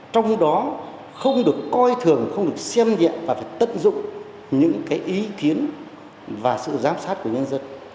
trong đó không được coi thường không được xem nhẹ và phải tận dụng những ý kiến và sự giám sát của nhân dân